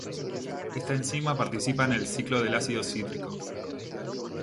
Esta enzima participa en el ciclo del ácido cítrico.